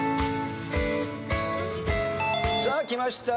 さあきました。